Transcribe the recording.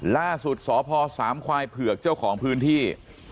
ล่าสุดสพสามควายเผือกเจ้าของพื้นที่